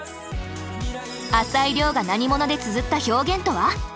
朝井リョウが「何者」でつづった表現とは？